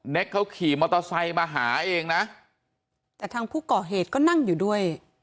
เขาขี่มอเตอร์ไซค์มาหาเองนะแต่ทางผู้ก่อเหตุก็นั่งอยู่ด้วย